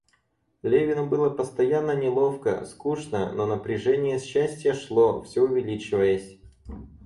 Левину было постоянно неловко, скучно, но напряжение счастья шло, всё увеличиваясь.